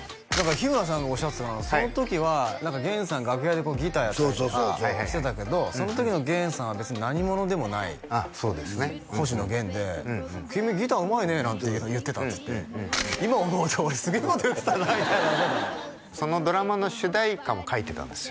日村さんがおっしゃってたのはその時は源さん楽屋でギターやったりとかしてたけどその時の源さんは別に何者でもない星野源で「君ギターうまいね」なんて言ってたっつって今思うと俺すげえこと言ってたなみたいなそのドラマの主題歌も書いてたんですよ